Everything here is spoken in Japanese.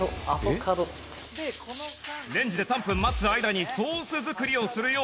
レンジで３分待つ間にソース作りをするようです